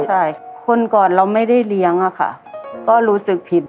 ใช่คนก่อนเราไม่ได้เลี้ยงอะค่ะก็รู้สึกผิด